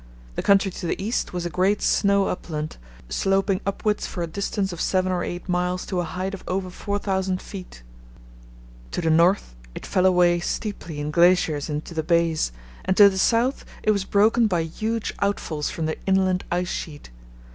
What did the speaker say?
The country to the east was a great snow upland, sloping upwards for a distance of seven or eight miles to a height of over 4000 ft. To the north it fell away steeply in glaciers into the bays, and to the south it was broken by huge outfalls from the inland ice sheet.